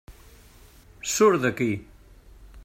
Surt d'aquí!